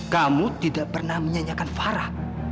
kamu tidak pernah menyanyikan farah